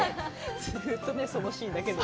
ずうっとね、そのシーンだけ。